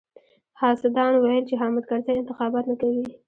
حاسدانو ويل چې حامد کرزی انتخابات نه کوي.